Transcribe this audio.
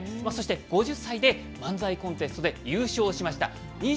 そして５０歳で漫才コンテストで優勝しました。